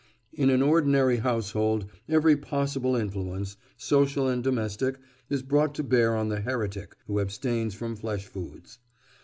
In an ordinary household every possible influence, social and domestic, is brought to bear on the heretic who abstains from flesh foods.